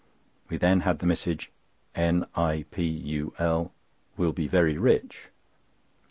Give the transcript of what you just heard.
We then had the message, "NIPUL will be very rich."